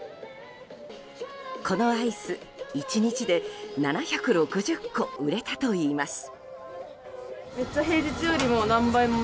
このアイス、１日で７６０個売れたといいます。